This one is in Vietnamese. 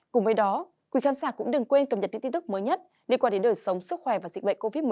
cùng với đó quý khán giả cũng đừng quên cập nhật những tin tức mới nhất liên quan đến đời sống sức khỏe và dịch bệnh covid một mươi